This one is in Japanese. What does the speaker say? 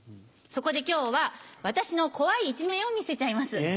そこで今日は私の怖い一面を見せちゃいます。